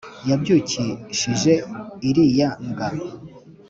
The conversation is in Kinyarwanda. yabyukishije iriya mbwa